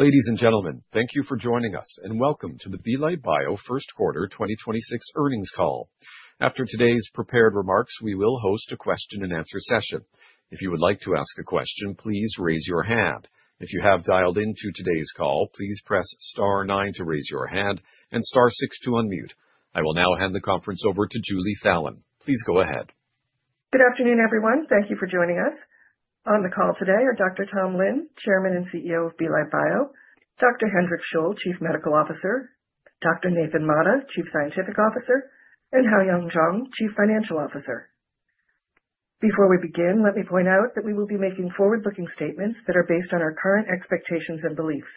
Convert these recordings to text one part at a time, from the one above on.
Ladies and gentlemen, thank you for joining us, and welcome to the Belite Bio first quarter 2026 earnings call. After today's prepared remarks, we will host a Question-and-Answer session. If you would like to ask a question, please raise your hand. If you have dialed into today's call, please press star nine to raise your hand and star six to unmute. I will now hand the conference over to Julie Fallon. Please go ahead. Good afternoon, everyone. Thank you for joining us. On the call today are Dr. Tom Lin, Chairman and CEO of Belite Bio, Dr. Hendrik Scholl, Chief Medical Officer, Dr. Nathan Mata, Chief Scientific Officer, and Hao-Yuan Chuang, Chief Financial Officer. Before we begin, let me point out that we will be making forward-looking statements that are based on our current expectations and beliefs.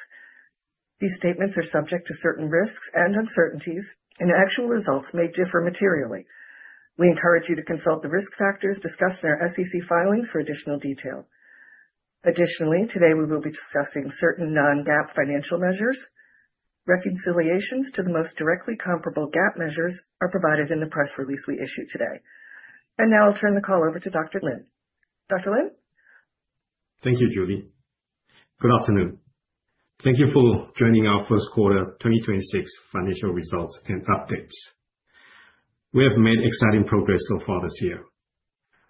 These statements are subject to certain risks and uncertainties. Actual results may differ materially. We encourage you to consult the risk factors discussed in our SEC filings for additional detail. Additionally, today we will be discussing certain non-GAAP financial measures. Reconciliations to the most directly comparable GAAP measures are provided in the press release we issued today. Now I'll turn the call over to Dr. Lin. Dr. Lin? Thank you, Julie. Good afternoon. Thank you for joining our first quarter 2026 financial results and updates. We have made exciting progress so far this year.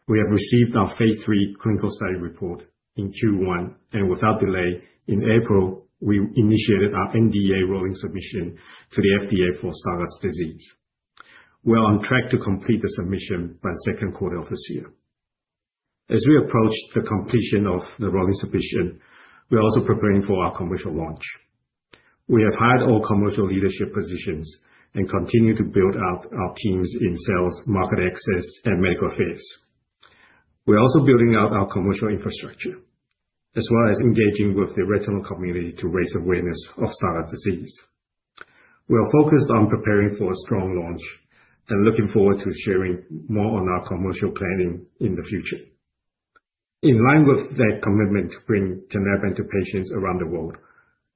We have received our phase III clinical study report in Q1, and without delay, in April, we initiated our NDA rolling submission to the FDA for Stargardt disease. We're on track to complete the submission by the second quarter of this year. As we approach the completion of the rolling submission, we're also preparing for our commercial launch. We have hired all commercial leadership positions and continue to build out our teams in sales, market access, and medical affairs. We're also building out our commercial infrastructure, as well as engaging with the retinal community to raise awareness of Stargardt disease. We are focused on preparing for a strong launch and looking forward to sharing more on our commercial planning in the future. In line with that commitment to bring Tinlarebant to patients around the world,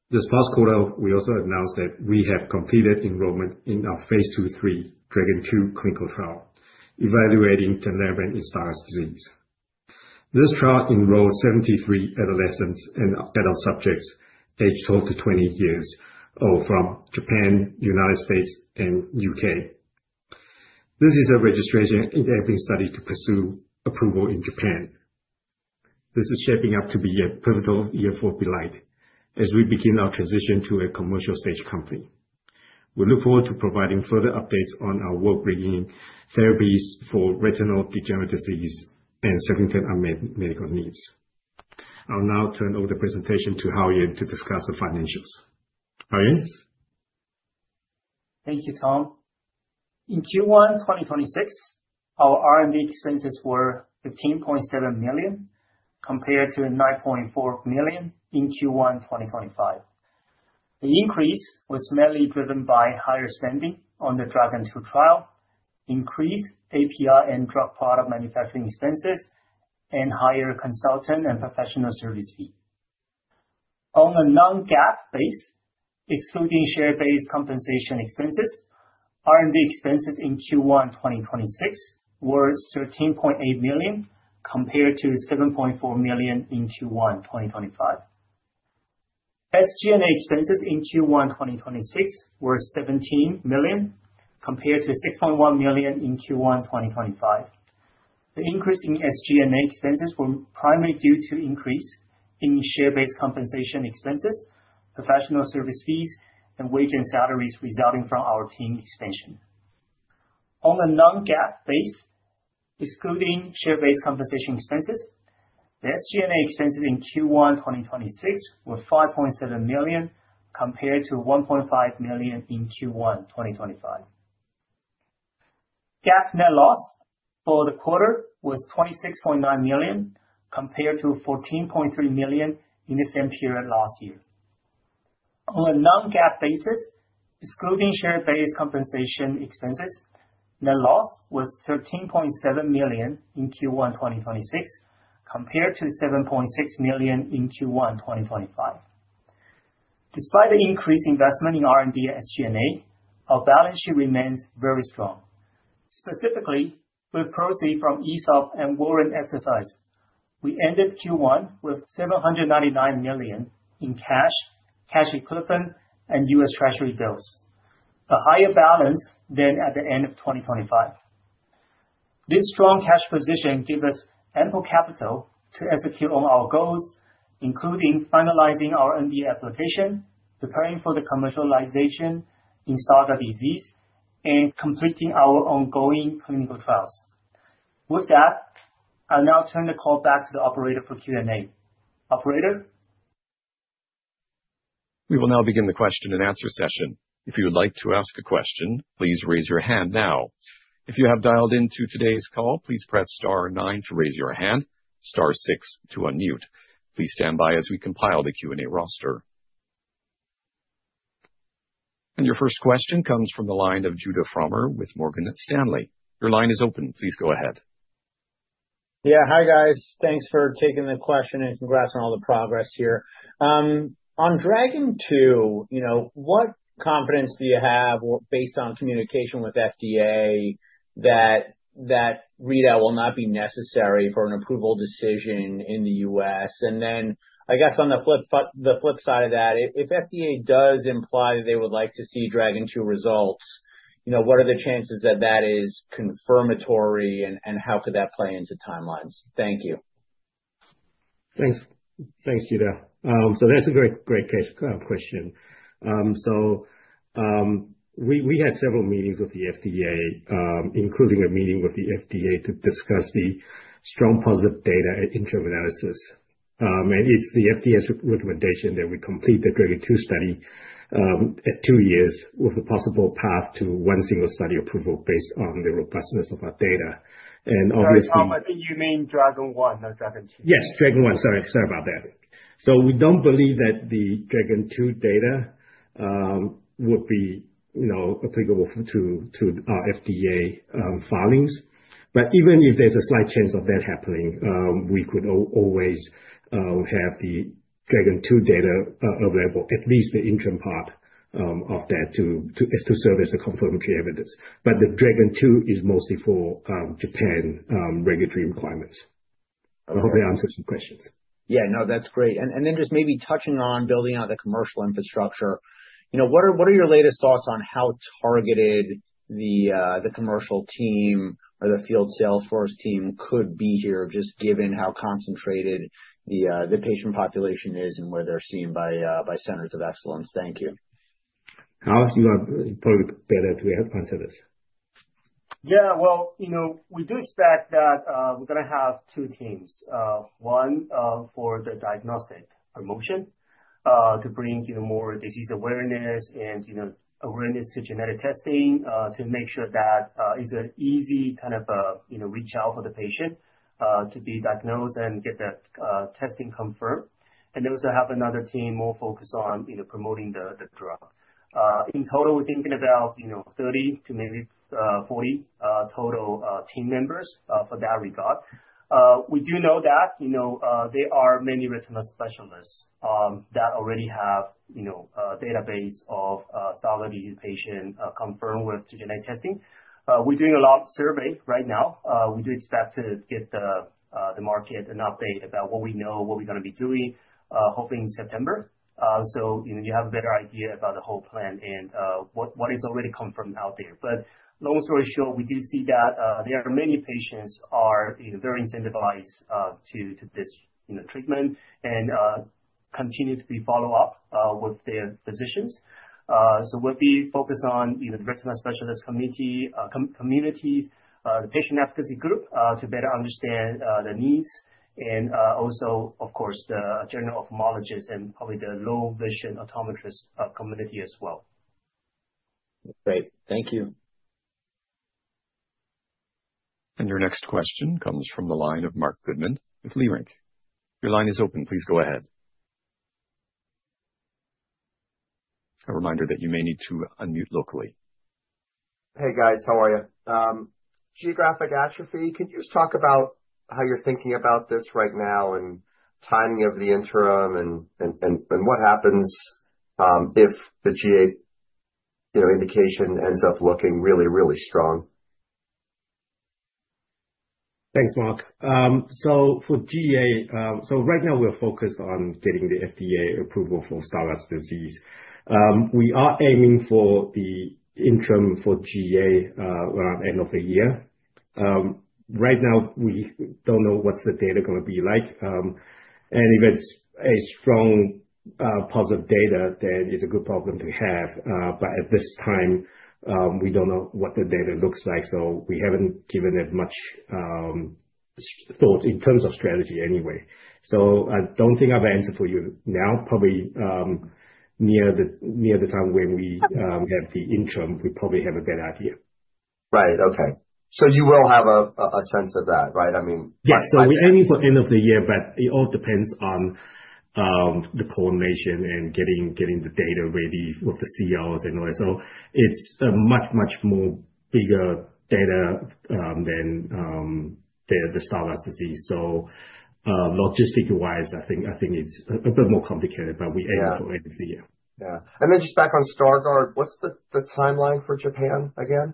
this last quarter, we also announced that we have completed enrollment in our phase II/III DRAGON II clinical trial evaluating Tinlarebant in Stargardt disease. This trial enrolled 73 adolescents and adult subjects aged 12 to 20 years from Japan, U.S., and U.K. This is a registration-enabling study to pursue approval in Japan. This is shaping up to be a pivotal year for Belite Bio as we begin our transition to a commercial stage company. We look forward to providing further updates on our work bringing therapies for retinal degenerative disease and certain unmet medical needs. I'll now turn over the presentation to Hao-Yuan to discuss the financials. Hao-Yuan? Thank you, Tom. In Q1 2026, our R&D expenses were $15.7 million compared to $9.4 million in Q1 2025. The increase was mainly driven by higher spending on the DRAGON II trial, increased API and drug product manufacturing expenses, and higher consultant and professional service fee. On a non-GAAP basis, excluding share-based compensation expenses, R&D expenses in Q1 2026 were $13.8 million compared to $7.4 million in Q1 2025. SG&A expenses in Q1 2026 were $17 million compared to $6.1 million in Q1 2025. The increase in SG&A expenses were primarily due to increase in share-based compensation expenses, professional service fees, and wages and salaries resulting from our team expansion. On a non-GAAP basis, excluding share-based compensation expenses, the SG&A expenses in Q1 2026 were $5.7 million compared to $1.5 million in Q1 2025. GAAP net loss for the quarter was $26.9 million compared to $14.3 million in the same period last year. On a non-GAAP basis, excluding share-based compensation expenses, net loss was $13.7 million in Q1 2026 compared to $7.6 million in Q1 2025. Despite the increased investment in R&D and SG&A, our balance sheet remains very strong. Specifically, with proceeds from ESOP and warrant exercise, we ended Q1 with $799 million in cash equivalent, and U.S. Treasury bills, a higher balance than at the end of 2025. This strong cash position gives us ample capital to execute on our goals, including finalizing our NDA application, preparing for the commercialization in Stargardt disease, and completing our ongoing clinical trials. With that, I'll now turn the call back to the operator for Q&A. Operator? We will now begin the Question-and-Answer session. If you would like to ask a question, please raise your hand now. If you have dialed in to today's call please press star and nine to raise your hand, star six to unmute. Please stand by as we compile the Q&A roster. Your first question comes from the line of Judah Frommer with Morgan Stanley. Your line is open. Please go ahead. Yeah. Hi, guys. Thanks for taking the question, and congrats on all the progress here. On DRAGON II, what confidence do you have based on communication with FDA that readout will not be necessary for an approval decision in the U.S.? I guess on the flip side of that, if FDA does imply that they would like to see DRAGON II results, what are the chances that that is confirmatory, and how could that play into timelines? Thank you. Thanks, Judah. That's a great question. We had several meetings with the FDA, including a meeting with the FDA to discuss the strong positive data at interim analysis. It's the FDA's recommendation that we complete the DRAGON II study at two years with a possible path to one single study approval based on the robustness of our data. Sorry, Tom, I think you mean DRAGON I, not DRAGON II. Yes, DRAGON II. Sorry about that. We don't believe that the DRAGON II data would be applicable to our FDA filings. Even if there's a slight chance of that happening, we could always have the DRAGON II data available, at least the interim part of that to still serve as a confirmatory evidence. The DRAGON II is mostly for Japan regulatory requirements. Okay. I hope I answered your questions. Yeah. No, that's great. Then just maybe touching on building out the commercial infrastructure, what are your latest thoughts on how targeted the commercial team or the field sales force team could be here, just given how concentrated the patient population is and where they're seen by centers of excellence? Thank you. Hao, you are probably better to answer this. Well, we do expect that we're going to have two teams. One, for the diagnostic promotion, to bring more disease awareness and awareness to genetic testing, to make sure that it's an easy reach out for the patient to be diagnosed and get that testing confirmed. Also have another team more focused on promoting the drug. In total, we're thinking about 30 to maybe 40 total team members for that regard. We do know that there are many retina specialists that already have a database of Stargardt patient confirmed with genetic testing. We're doing a lot of survey right now. We do expect to get the market an update about what we know, what we're going to be doing, hopefully in September, so you have a better idea about the whole plan and what is already confirmed out there. Long story short, we do see that there are many patients are very incentivized to this treatment and continue to be follow up with their physicians. We'll be focused on retina specialist communities, the patient advocacy group, to better understand their needs and also, of course, the general ophthalmologist and probably the low vision optometrist community as well. Great. Thank you. Your next question comes from the line of Marc Goodman with Leerink. Your line is open. Please go ahead. A reminder that you may need to unmute locally. Hey, guys. How are you? geographic atrophy, could you just talk about how you're thinking about this right now and timing of the interim and what happens if the GA indication ends up looking really, really strong? Thanks, Marc. For GA, right now we are focused on getting the FDA approval for Stargardt disease. We are aiming for the interim for GA around end of the year. Right now, we don't know what's the data going to be like. If it's a strong positive data, then it's a good problem to have. At this time, we don't know what the data looks like, so we haven't given it much thought in terms of strategy anyway. I don't think I have an answer for you now. Probably near the time when we have the interim, we probably have a better idea. Right. Okay. You will have a sense of that, right? I mean. Yeah. We're aiming for end of the year, but it all depends on the coordination and getting the data ready with the CROs and all that. It's a much, much more bigger data than the Stargardt disease. Logistic-wise, I think it's a bit more complicated, but we aim for end of the year. Yeah. Then just back on Stargardt, what's the timeline for Japan again? How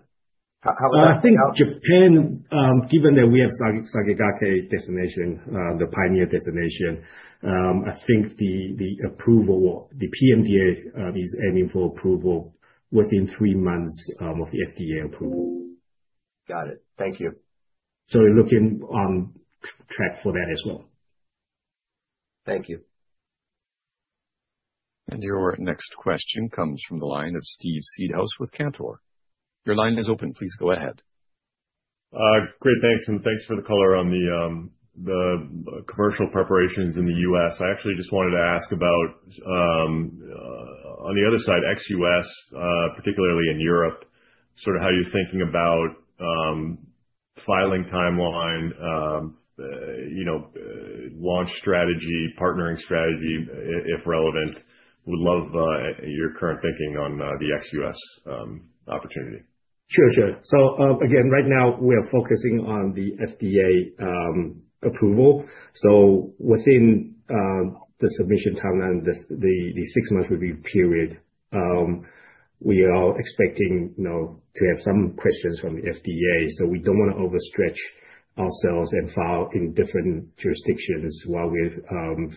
is that looking? I think Japan, given that we have Sakigake designation, the pioneer designation, I think the PMDA is aiming for approval within three months of the FDA approval. Got it. Thank you. We're looking on track for that as well. Thank you. Your next question comes from the line of Steve Seedhouse with Cantor. Your line is open. Please go ahead. Great. Thanks, thanks for the color on the commercial preparations in the U.S. I actually just wanted to ask about on the other side, ex-U.S., particularly in Europe, sort of how you're thinking about filing timeline, Launch strategy, partnering strategy, if relevant. Would love your current thinking on the ex-U.S. opportunity. Sure. Again, right now we are focusing on the FDA approval. Within the submission timeline, the six-month review period, we are expecting to have some questions from the FDA. We don't want to overstretch ourselves and file in different jurisdictions while we're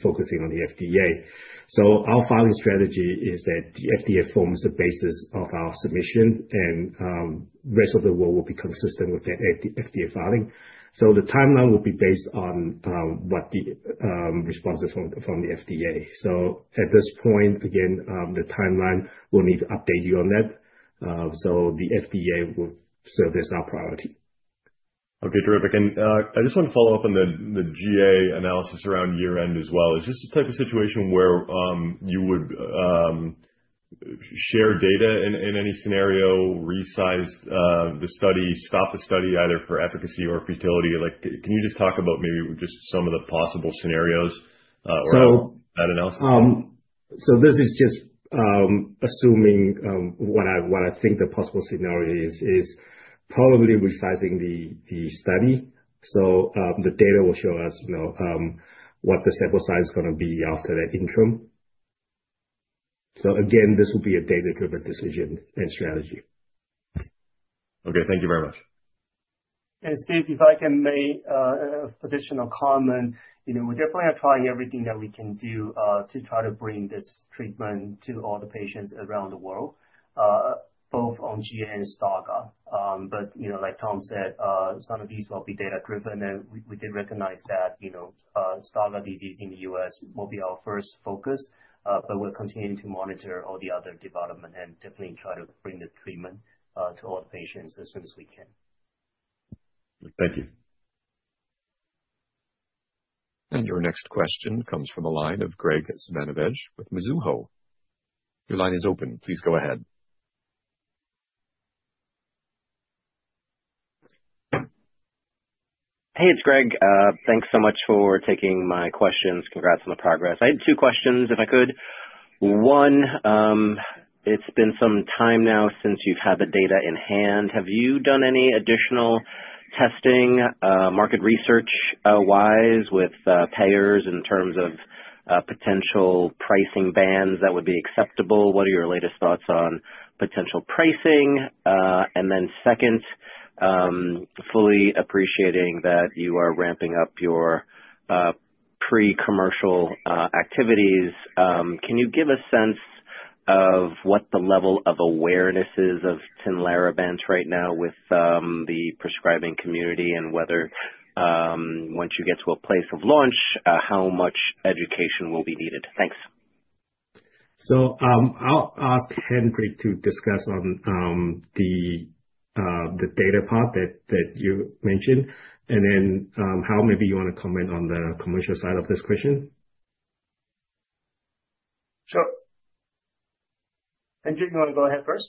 focusing on the FDA. Our filing strategy is that the FDA forms the basis of our submission and rest of the world will be consistent with the FDA filing. The timeline will be based on what the responses from the FDA. At this point, again, the timeline, we'll need to update you on that. The FDA will serve as our priority. Okay, terrific. I just want to follow up on the GA analysis around year-end as well. Is this the type of situation where you would share data in any scenario, resize the study, stop the study either for efficacy or futility? Can you just talk about maybe just some of the possible scenarios or that analysis? This is just assuming what I think the possible scenario is probably resizing the study. The data will show us what the sample size is going to be after that interim. Again, this will be a data-driven decision and strategy. Okay, thank you very much. Steve, if I can make an additional comment. We're definitely trying everything that we can do to try to bring this treatment to all the patients around the world, both on GA and Stargardt disease. Like Tom said, some of these will be data-driven, and we did recognize that Stargardt disease in the U.S. will be our first focus. We're continuing to monitor all the other development and definitely try to bring the treatment to all the patients as soon as we can. Thank you. Your next question comes from the line of Graig Suvannavejh with Mizuho. Hey, it's Graig. Thanks so much for taking my questions. Congrats on the progress. I had two questions, if I could. One, it's been some time now since you've had the data in-hand. Have you done any additional testing, market research-wise with payers in terms of potential pricing bands that would be acceptable? What are your latest thoughts on potential pricing? Second, fully appreciating that you are ramping up your pre-commercial activities, can you give a sense of what the level of awareness is of Tinlarebant right now with the prescribing community and whether, once you get to a place of launch, how much education will be needed? Thanks. I'll ask Hendrik to discuss on the data part that you mentioned. Hao, maybe you want to comment on the commercial side of this question? Sure. Hendrik, you want to go ahead first?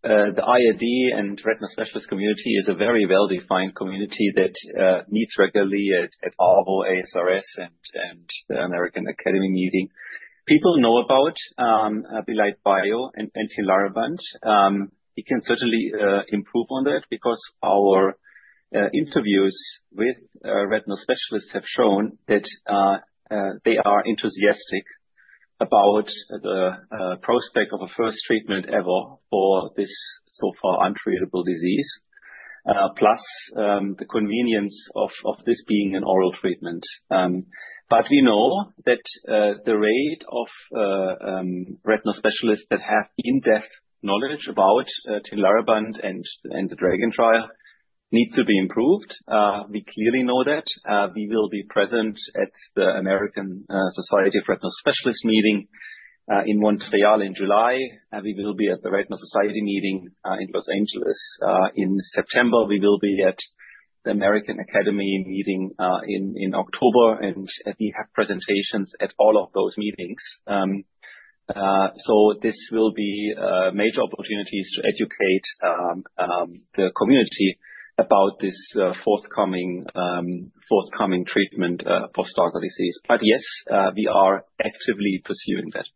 The IRD and retinal specialist community is a very well-defined community that meets regularly at ARVO, ASRS, and the American Academy meeting. People know about Belite Bio and Tinlarebant. We can certainly improve on that because our interviews with retinal specialists have shown that they are enthusiastic about the prospect of a first treatment ever for this so far untreatable disease. Plus, the convenience of this being an oral treatment. We know that the rate of retinal specialists that have in-depth knowledge about Tinlarebant and the DRAGON trial needs to be improved. We clearly know that. We will be present at the American Society of Retina Specialists meeting in Montreal in July, and we will be at the Retina Society meeting in Los Angeles in September. We will be at the American Academy of Ophthalmology meeting in October, and we have presentations at all of those meetings. This will be major opportunities to educate the community about this forthcoming treatment for Stargardt disease. Yes, we are actively pursuing that.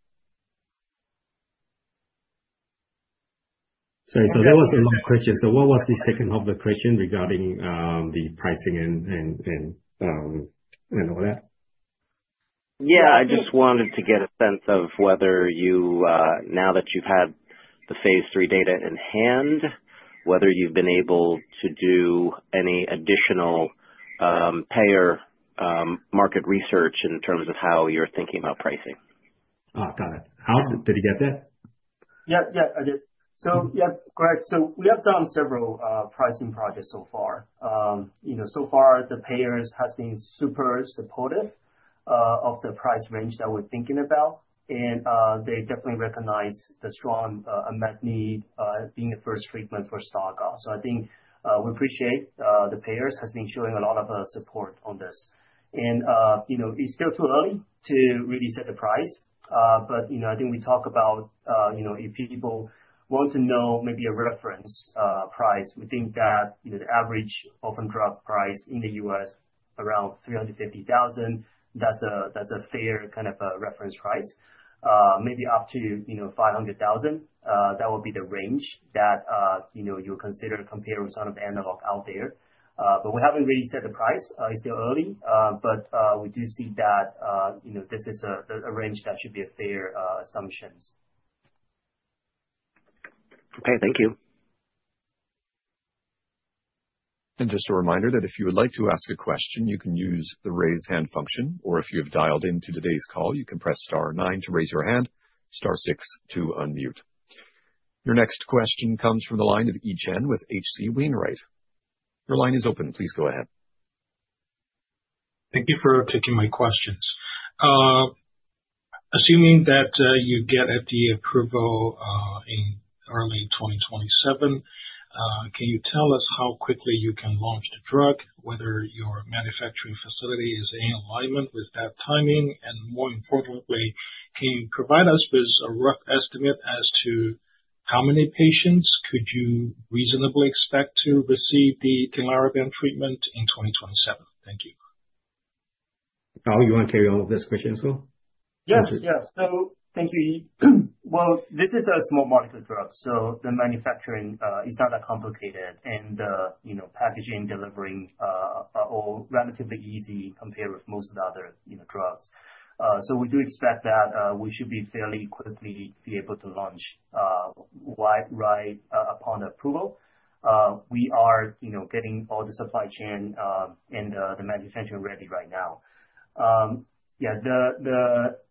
Sorry, that was a long question. What was the second half of the question regarding the pricing and all that? Yeah, I just wanted to get a sense of whether you, now that you've had the phase III data in hand, whether you've been able to do any additional payer market research in terms of how you're thinking about pricing. Oh, got it. Hao, did you get that? Yeah, I did. Yeah, Graig, so we have done several pricing projects so far. Far the payers have been super supportive of the price range that we're thinking about, and they definitely recognize the strong unmet need being a first treatment for Stargardt. I think we appreciate the payers have been showing a lot of support on this. It's still too early to really set the price. I think we talk about if people want to know maybe a reference price, we think that the average orphan drug price in the U.S. around $350,000, that's a fair reference price. Maybe up to $500,000. That would be the range that you'll consider to compare with some of the analogs out there. We haven't really set the price. It's still early. We do see that this is a range that should be a fair assumptions. Okay, thank you. Just a reminder that if you would like to ask a question, you can use the raise hand function, or if you have dialed into today's call, you can press star nine to raise your hand, star six to unmute. Your next question comes from the line of Yi Chen with H.C. Wainwright. Your line is open. Please go ahead. Thank you for taking my questions. Assuming that you get FDA approval in early 2027, can you tell us how quickly you can launch the drug, whether your manufacturing facility is in alignment with that timing? More importantly, can you provide us with a rough estimate as to how many patients could you reasonably expect to receive the Tinlarebant treatment in 2027? Thank you. Hao, you want to carry all of this question as well? Yes. Thank you, Yi. Well, this is a small market drug, the manufacturing is not that complicated. Packaging, delivering, all relatively easy compared with most other drugs. We do expect that we should be fairly quickly be able to launch right upon approval. We are getting all the supply chain and the manufacturing ready right now.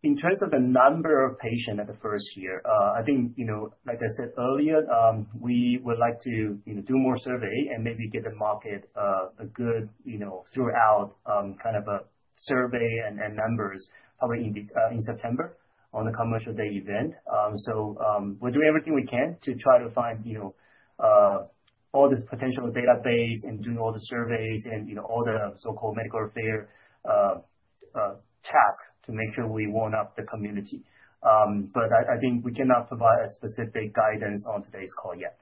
In terms of the number of patients at the first year, I think, like I said earlier, we would like to do more survey and maybe give the market a good throughout survey and numbers probably in September on the commercial day event. We're doing everything we can to try to find all this potential database and doing all the surveys and all the so-called medical affair tasks to make sure we warm up the community. I think we cannot provide a specific guidance on today's call yet.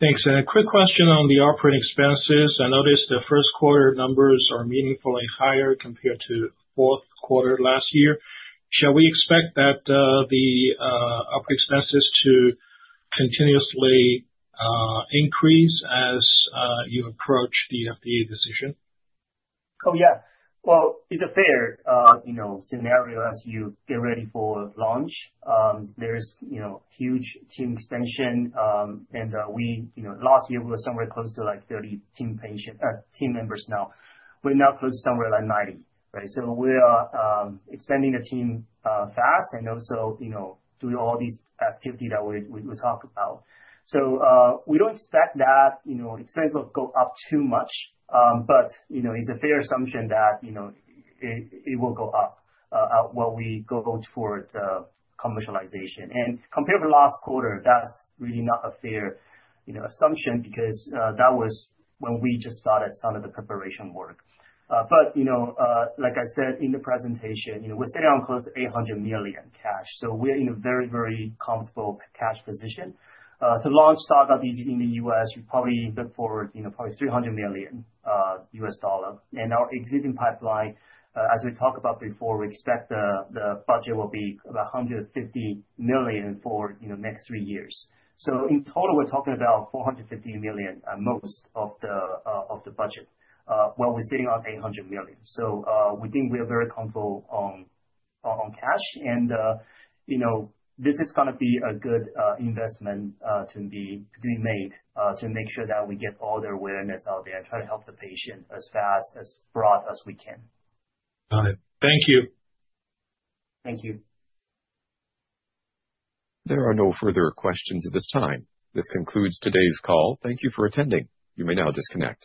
Thanks. A quick question on the operating expenses. I noticed the first quarter numbers are meaningfully higher compared to fourth quarter last year. Shall we expect that the operating expenses to continuously increase as you approach the FDA decision? Well, it's a fair scenario as you get ready for launch. There is huge team expansion. Last year we were somewhere close to 30 team members now. We're now close somewhere like 90, right? We are expanding the team fast and also doing all these activity that we talk about. We don't expect that expense will go up too much. It's a fair assumption that it will go up while we go towards commercialization. Compared to last quarter, that's really not a fair assumption because that was when we just started some of the preparation work. Like I said, in the presentation, we're sitting on close to $800 million cash. We're in a very, very comfortable cash position. To launch Stargardt in the U.S., you probably look forward probably $300 million. Our existing pipeline, as we talked about before, we expect the budget will be about $150 million for next three years. In total, we're talking about $450 million at most of the budget, while we're sitting on $800 million. We think we are very comfortable on cash, and this is going to be a good investment to be made to make sure that we get all the awareness out there and try to help the patient as fast, as broad as we can. Got it. Thank you. Thank you. There are no further questions at this time. This concludes today's call. Thank you for attending. You may now disconnect.